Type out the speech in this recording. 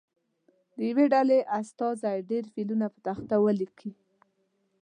د یوې ډلې استازی دې فعلونه په تخته ولیکي.